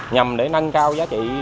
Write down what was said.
nhằm để nâng cao giá trị